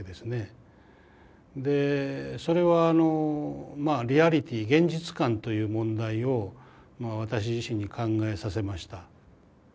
でそれはあのリアリティー現実感という問題を私自身に考えさせました。